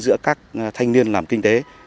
giữa các thanh niên làm kinh tế